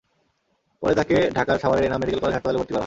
পরে তাঁকে ঢাকার সাভারের এনাম মেডিকেল কলেজ হাসপাতালে ভর্তি করা হয়।